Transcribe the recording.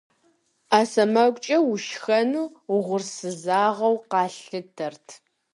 Ӏэ сэмэгукӀэ ушхэну угъурсызыгъэу къалъытэрт.